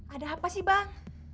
ada apa sih bang